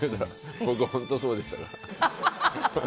僕、本当そうでしたけど。